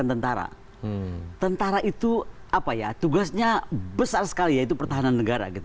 tentara itu tugasnya besar sekali yaitu pertahanan negara